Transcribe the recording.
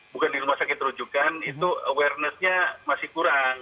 bukan di rumah sakit rujukan itu awarenessnya masih kurang